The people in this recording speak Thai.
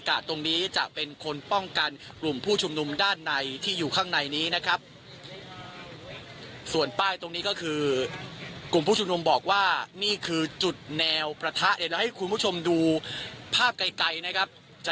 ตรงนี้จะเป็นคนป้องกันกลุ่มผู้ชุมนุมด้านในที่อยู่ข้างในนี้นะครับ